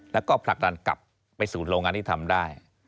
แล้วก็ผลักดันกลับไปสู่โรงงานที่ทำได้